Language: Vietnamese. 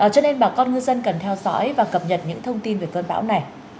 cho nên bà con ngư dân cần theo dõi và cập nhật những thông tin về cơn bão này